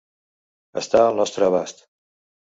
Està al nostre abast.